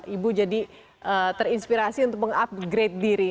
ibu jadi terinspirasi untuk mengupgrade diri